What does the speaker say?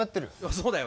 そうだよ。